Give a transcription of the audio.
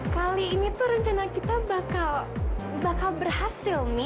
kali ini tuh rencana kita bakal bakal berhasil mi